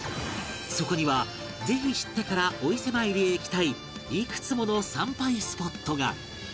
そこにはぜひ知ってからお伊勢参りへ行きたいいくつもの参拝スポットが